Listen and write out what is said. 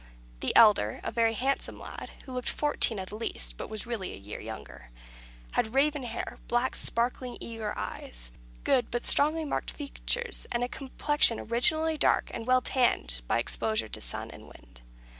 The elder a very handsome lad, who looked fourteen at least, but was really a year younger had raven hair, black sparkling eager eyes, good but strongly marked features, and a complexion originally dark, and well tanned by exposure to sun and wind.